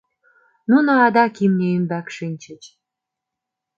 Нуно адак имне ӱмбак шинчыч.